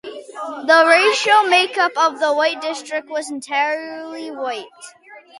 The racial makeup of the district was entirely white.